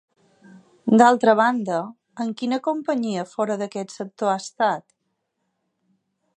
D'altra banda, en quina companyia fora d'aquest sector ha estat?